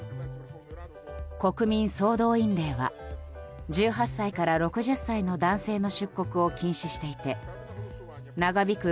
国民総動員令は１８歳から６０歳の男性の出国を禁止していて長引く